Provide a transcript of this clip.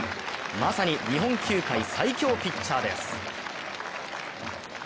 まさに日本球界最強ピッチャーです。